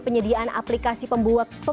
penyediaan aplikasi pembukuan online dari zahir